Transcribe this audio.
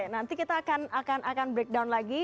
nanti kita akan breakdown lagi